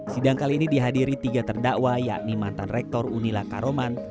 sidang kali ini dihadiri tiga terdakwa yakni mantan rektor unila karoman